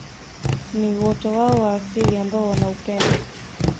Ni uoto wao wa asili ambao wanaupenda